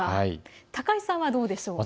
高井さんはどうでしょうか。